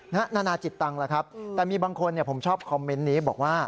นานาจิตตังค์แหละครับแต่มีบางคนผมชอบคอมเมนต์นี้บอกว่า